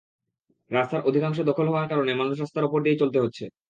রাস্তার অনেকাংশ দখল হওয়ার কারণে মানুষকে রাস্তার ওপর দিয়েই চলতে হচ্ছে।